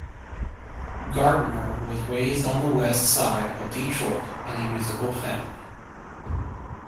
Gardner was raised on the west side of Detroit in a musical family.